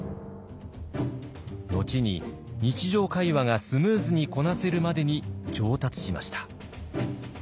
後に日常会話がスムーズにこなせるまでに上達しました。